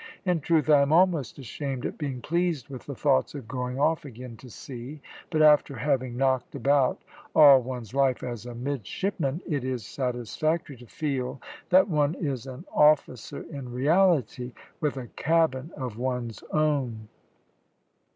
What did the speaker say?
In truth, I am almost ashamed at being pleased with the thoughts of going off again to sea; but after having knocked about all one's life as a midshipman it is satisfactory to feel that one is an officer in reality, with a cabin of one's own."